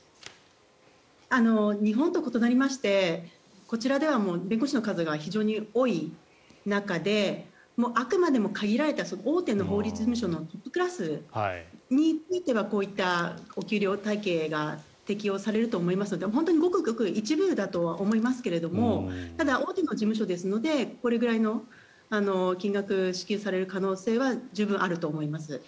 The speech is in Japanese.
日本と異なりましてこちらでは弁護士の数が非常に多い中であくまでも限られた人大手の法律事務所のトップクラスに限ってはこういったお給料体系が適用されると思うので本当にごくごく一部だとは思いますけれどもただ、大手の事務所ですのでこれくらいの金額が支給される可能性は十分あると思います。